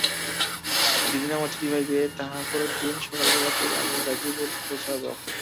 যেদিন আমার চিঠি পাইবে তাহার পরের দিন সকালবেলাতেই আমি গাজিপুরে পৌঁছিব।